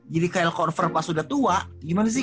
jadi kyle korver pas udah tua gimana sih